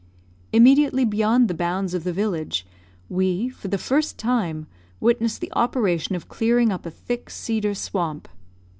Immediately beyond the bounds of the village, we, for the first time, witnessed the operation of clearing up a thick cedar swamp.